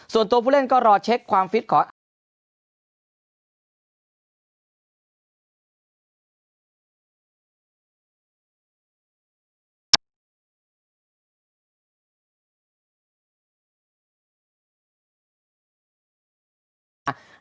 ส่วนตัวผู้เล่นก็รอเช็คความฟิตของอาหาร